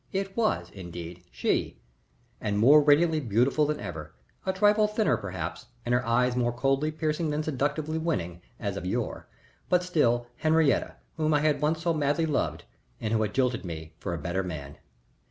It was, indeed, she, and more radiantly beautiful than ever a trifle thinner perhaps, and her eyes more coldly piercing than seductively winning as of yore, but still Henriette whom I had once so madly loved and who had jilted me for a better man.